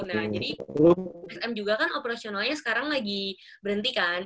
nah jadi sm juga kan operasionalnya sekarang lagi berhenti kan